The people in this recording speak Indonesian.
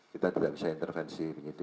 kita tidak bisa intervensi penyidik